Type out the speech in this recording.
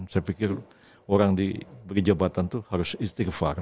saya pikir orang diberi jabatan itu harus istighfar